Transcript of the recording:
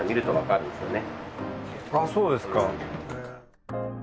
あそうですか。